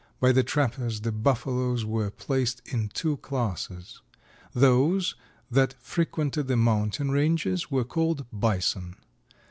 By the trappers the Buffaloes were placed in two classes. Those that frequented the mountain ranges were called Bison.